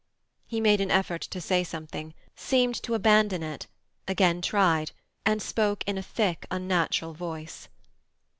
He made an effort to say something; seemed to abandon it; again tried, and spoke in a thick, unnatural voice.